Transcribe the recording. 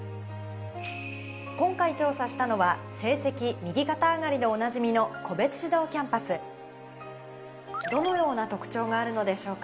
今回調査したのは「成績右肩アガリ」でおなじみのどのような特徴があるのでしょうか？